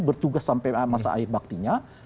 bertugas sampai masa air baktinya